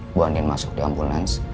ibu andin masuk di ambulans